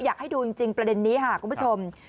อยากให้ดูจริงประเด็นนี้ค่ะคุณผู้ชม